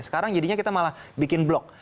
sekarang jadinya kita malah bikin blok